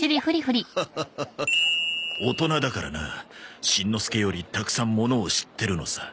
ハハハ大人だからなしんのすけよりたくさんものを知ってるのさ。